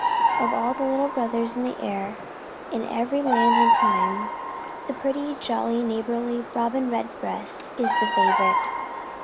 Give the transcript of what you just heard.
Of all the little brothers of the air, in every land and clime, the pretty, jolly, neighborly Robin Redbreast is the favorite.